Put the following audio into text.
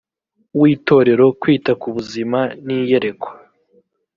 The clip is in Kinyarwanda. w itorero kwita k ubuzima n iyerekwa